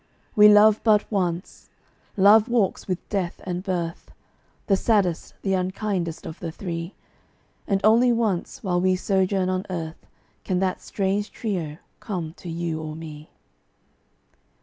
We love but once. Love walks with death and birth (The saddest, the unkindest of the three); And only once while we sojourn on earth Can that strange trio come to you or me.